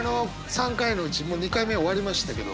３回のうちもう２回目終わりましたけど。